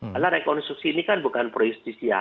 karena rekonstruksi ini kan bukan pro justisia